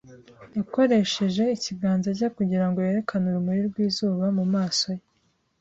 Yakoresheje ikiganza cye kugira ngo yerekane urumuri rw'izuba mu maso ye.